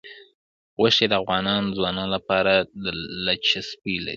غوښې د افغان ځوانانو لپاره دلچسپي لري.